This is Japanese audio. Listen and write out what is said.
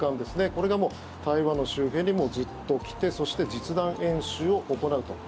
これが台湾の周辺にずっと来てそして実弾演習を行うと。